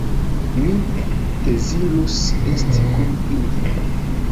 Mi dezirus esti kun ili.